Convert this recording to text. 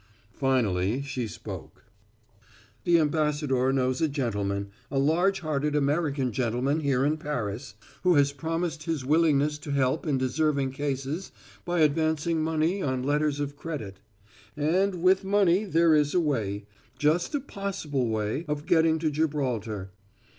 Finally she spoke: "The ambassador knows a gentleman a large hearted American gentleman here in Paris who has promised his willingness to help in deserving cases by advancing money on letters of credit. And with money there is a way just a possible way of getting to Gibraltar.